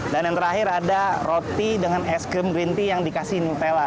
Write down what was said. dan yang terakhir ada roti dengan es krim rinti yang dikasih nutella